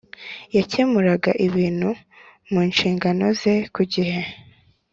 yakemuraga ibiri mu nshingano ze ku gihe.